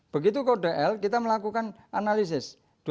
begitu kode l kita melakukan analisis